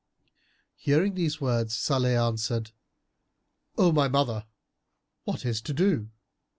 Hearing these words Salih answered, "O my mother what is to do?